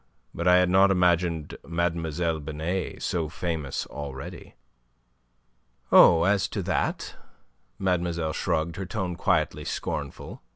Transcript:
But I had not imagined Mlle. Binet so famous already." "Oh, as to that..." mademoiselle shrugged, her tone quietly scornful.